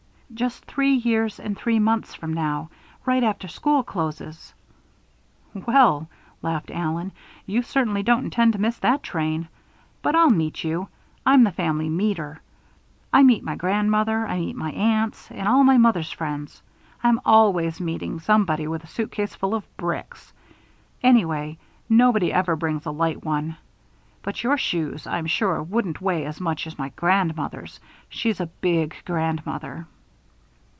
"Just three years and three months from now, right after school closes." "Well," laughed Allen, "you certainly don't intend to miss that train. But I'll meet you. I'm the family 'meeter.' I meet my grandmother, I meet my aunts, and all my mother's friends. I'm always meeting somebody with a suitcase full of bricks. Anyway, nobody ever brings a light one. But your shoes, I'm sure, wouldn't weigh as much as my grandmother's she's a big grandmother."